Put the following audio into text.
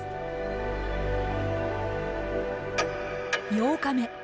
８日目。